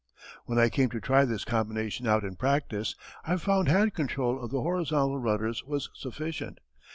When I came to try this combination out in practice, I found hand control of the horizontal rudders was sufficient.